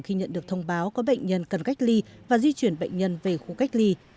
khi nhận được thông báo có bệnh nhân cần cách ly và di chuyển bệnh nhân về khu cách ly